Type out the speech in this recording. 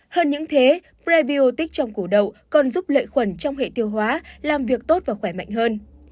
hơn những thế previotech trong củ đậu còn giúp lợi khuẩn trong hệ tiêu hóa làm việc tốt và khỏe mạnh hơn